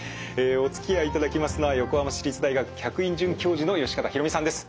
おつきあいいただきますのは横浜市立大学客員准教授の善方裕美さんです。